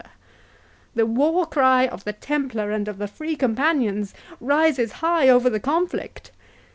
—The war cry of the Templar and of the Free Companions rises high over the conflict!